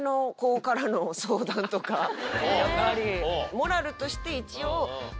モラルとして一応。